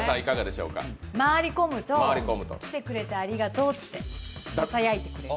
回り込むと来てくれてありがとうとささやいてくれる。